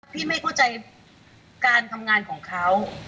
ไม่เข้าใจการทำงานของเขา